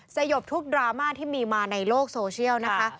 สยบทุกดราม่าที่มีมาในโลกโซเชียลนะคะ